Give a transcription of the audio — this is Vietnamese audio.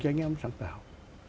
cho anh em sáng tạo